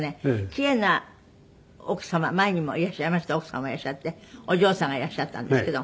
奇麗な奥様前にもいらっしゃいました奥様がいらっしゃってお嬢さんがいらっしゃったんですけど。